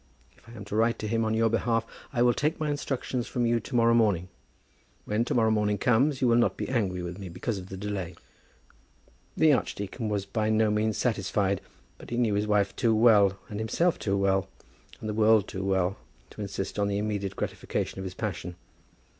If I am to write to him on your behalf I will take my instructions from you to morrow morning. When to morrow morning comes you will not be angry with me because of the delay." The archdeacon was by no means satisfied; but he knew his wife too well, and himself too well, and the world too well, to insist on the immediate gratification of his passion.